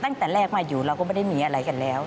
ตั้งแต่แรกมาอยู่เราก็ไม่ได้มีอะไรกันแล้ว